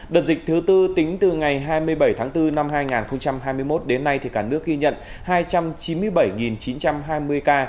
đợt dịch thứ tư tính từ ngày hai mươi bảy tháng bốn năm hai nghìn hai mươi một đến nay cả nước ghi nhận hai trăm chín mươi bảy chín trăm hai mươi ca